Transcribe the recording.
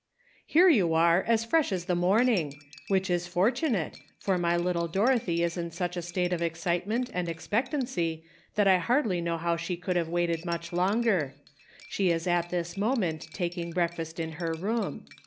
" Here you are, as fresh as the morning ; which is fortunate, for my little Dorothy is in such a state of excite ment and expectancy that I hardly know how she could have waited much longer. She is at this moment taking breakfast in her room.